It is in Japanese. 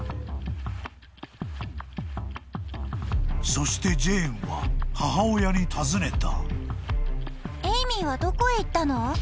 ［そしてジェーンは母親に尋ねた］